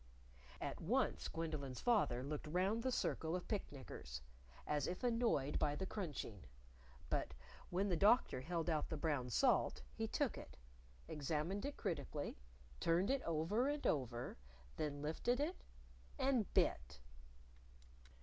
At once Gwendolyn's father looked round the circle of picknickers as if annoyed by the crunching; but when the Doctor held out the brown salt, he took it, examined it critically, turning it over and over, then lifted it and bit.